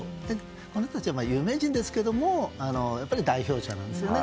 この人たちは有名人ですけど代表者なんですよね。